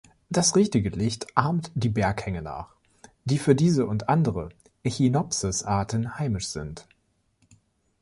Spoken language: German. Das richtige Licht ahmt die Berghänge nach, die für diese und andere "Echinopsis"-Arten heimisch sind.